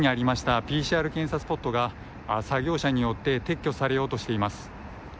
ＰＣＲ検査スポットが作業者によって撤去されようとしています。